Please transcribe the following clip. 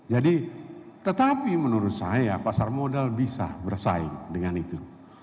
jadi tetapi menurut saya pasar modal bisa bersaing dengan itu